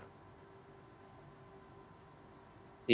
bagaimana anda menanggapi saat ini